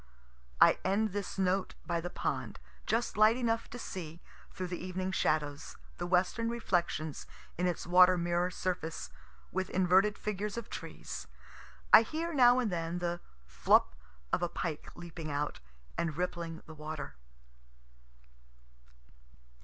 I end this note by the pond, just light enough to see, through the evening shadows, the western reflections in its water mirror surface, with inverted figures of trees. I hear now and then the flup of a pike leaping out, and rippling the water.